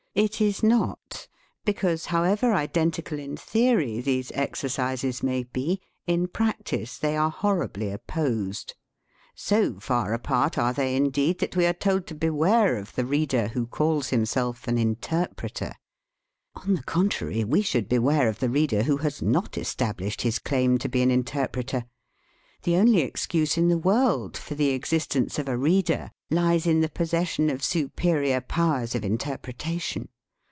It is not, because however identi cal in theory these exercises may be, in prac tice they are horribly opposed. So far apart are they, indeed, that we are told to beware of the reader who calls himself an "Inter 33 THE SPEAKING VOICE preter." On the contrary, we should beware of the reader who has not established his claim to be an interpreter. The only excuse in the world for the existence of a reader lies in the possession of superior powers of inter pretation.